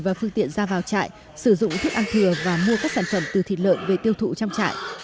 và phương tiện ra vào trại sử dụng thức ăn thừa và mua các sản phẩm từ thịt lợn về tiêu thụ trong trại